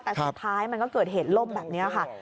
แต่สุดท้ายมันก็เกิดเหตุล่มแบบนี้ค่ะ